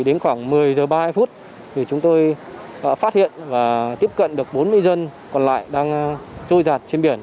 đến khoảng một mươi giờ ba mươi hai phút chúng tôi đã phát hiện và tiếp cận được bốn ngư dân còn lại đang trôi giặt trên biển